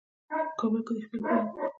په کابل کې د شپې لخوا لوبې کیږي.